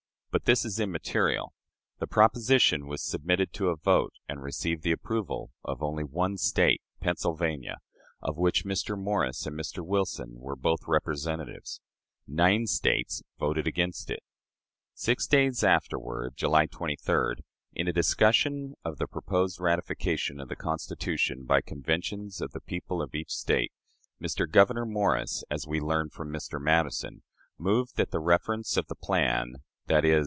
But this is immaterial. The proposition was submitted to a vote, and received the approval of only one State Pennsylvania, of which Mr. Morris and Mr. Wilson were both representatives. Nine States voted against it. Six days afterward (July 23d), in a discussion of the proposed ratification of the Constitution by Conventions of the people of each State, Mr. Gouverneur Morris as we learn from Mr. Madison "moved that the reference of the plan [i.e.